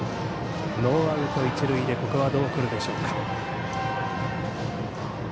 ノーアウト一塁でここはどう来るでしょうか。